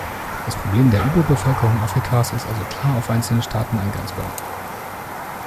Das Problem der Überbevölkerung Afrikas ist also klar auf einzelne Staaten eingrenzbar.